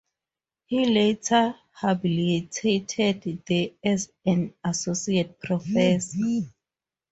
He later habilitated there as an associate professor.